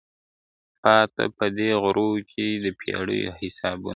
پاته په دې غرو کي د پېړیو حسابونه دي٫